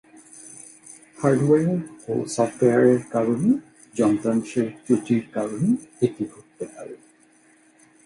Hardware ও সফটওয়্যারের কারণে যন্ত্রাংশের ত্রুটির কারণে এটি ঘটতে পারে।